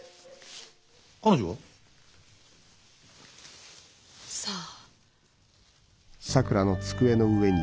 彼女は？さあ。